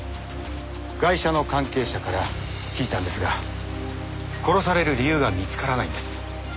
ガイシャの関係者から聞いたんですが殺される理由が見つからないんです。